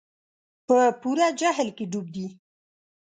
په پوره جهل کې ډوب دي.